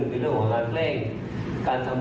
เนี้ยเนี้ยมีกรอยเป็นทุกข์ยืนตรงนี้ไหม